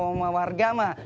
banyak warga mah